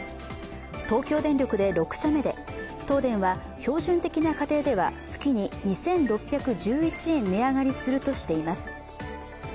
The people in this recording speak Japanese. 東京電力で６社目で東電は標準的な家庭では月に２６１１円、値上がりするとしています